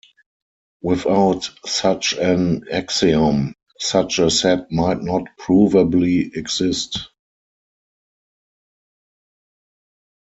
Without such an axiom, such a set might not provably exist.